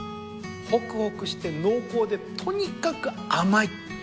ほくほくして濃厚でとにかく甘い。